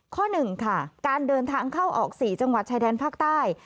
๑ค่ะการเดินทางเข้าออก๔จังหวัดชายแดนภาคใต้